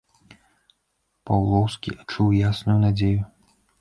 Паўлоўскі адчуў ясную надзею.